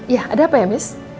ya ada apa ya mis